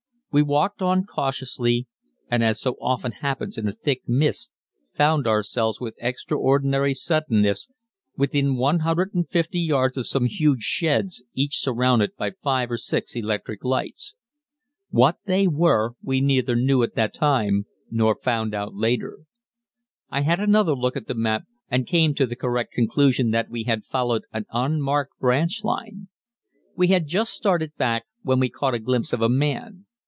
We walked on cautiously, and as so often happens in a thick mist found ourselves with extraordinary suddenness within 150 yards of some huge sheds each surrounded by five or six electric lights. What they were we neither knew at the time nor found out later. I had another look at the map and came to the correct conclusion that we had followed an unmarked branch line. We had just started back, when we caught a glimpse of a man.